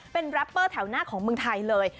เป็นแรปเปอร์แถวหน้าของเมืองไทยเลย